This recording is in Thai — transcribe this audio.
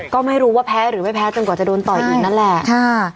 ก็ไม่รู้ว่าแพ้หรือไม่แพ้จนกว่าจะโดนต่อยอีกนั่นแหละ